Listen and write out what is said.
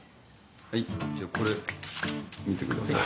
はいじゃこれ見てください。